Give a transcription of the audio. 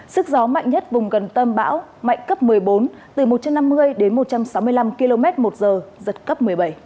sức gió mạnh nhất vùng gần tâm bão mạnh cấp một mươi bốn từ một trăm năm mươi đến một trăm sáu mươi năm km một giờ giật cấp một mươi bảy